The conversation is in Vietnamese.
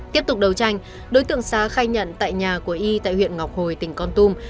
tiếp tục đấu tranh đối tượng xá khai nhận tại nhà của y tại huyện ngọc hồi tỉnh con tum